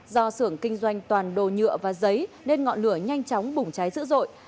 do xưởng kinh doanh toàn đồ nhựa và giấy nên ngọn lửa nhanh chóng bùng cháy dữ dội